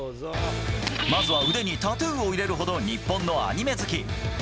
まずは腕にタトゥーを入れるほど、日本のアニメ好き。